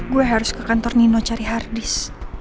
gue harus ke kantor nino cari hardis